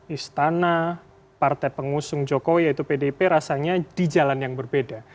istana partai pengusung jokowi yaitu pdip rasanya di jalan yang berbeda